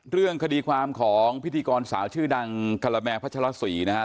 เรื่องคดีความของพิธีกรสาวชื่อดังคาราแมพัชรศรีนะครับ